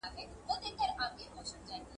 د ټولني پرمختګ د ادبیاتو پرمختګ دئ.